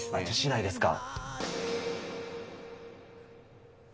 しだいですか。